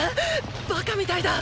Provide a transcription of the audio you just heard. バカみたいだ！